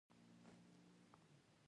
لال بهادر شاستري دویم صدراعظم شو.